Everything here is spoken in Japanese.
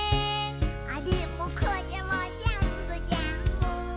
「あれもこれもぜんぶぜんぶ」